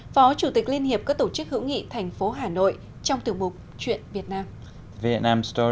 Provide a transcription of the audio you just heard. phó chủ tịch liên hiệp các tổ chức hữu nghị thành phố hà nội trong tiểu mục chuyện việt nam